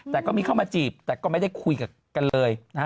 แต่ก็มีเข้ามาจีบแต่ก็ไม่ได้คุยกันเลยนะฮะ